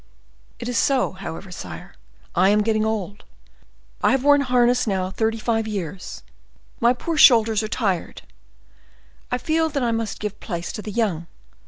"It is so, however, sire. I am getting old; I have worn harness now thirty five years; my poor shoulders are tired; I feel that I must give place to the young.